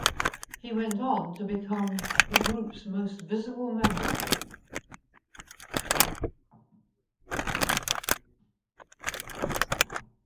He went on to become the group's most visible member.